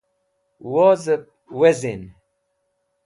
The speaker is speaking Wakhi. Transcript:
Wuzẽb wezin.